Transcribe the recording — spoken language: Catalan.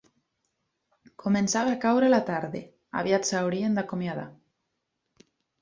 Començava a caure la tarde, aviat s'haurien de acomiadar